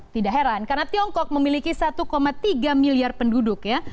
tidak heran karena tiongkok memiliki satu tiga miliar penduduk ya